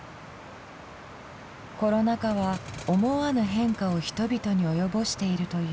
コロナ禍は思わぬ変化を人々に及ぼしているという。